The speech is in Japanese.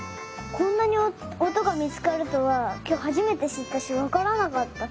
こんなにおとがみつかるとはきょうはじめてしったしわからなかった。